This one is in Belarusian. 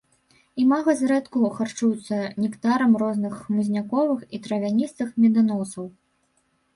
Імага зрэдку харчуюцца нектарам розных хмызняковых і травяністых меданосаў.